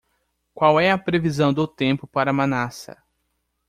Qual é a previsão do tempo para Manassa??